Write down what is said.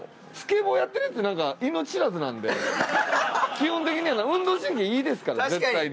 基本的には運動神経いいですから絶対に。